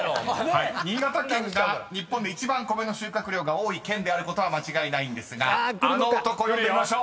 ［新潟県が日本で一番米の収穫量が多い県であることは間違いないんですがあの男を呼んでみましょう］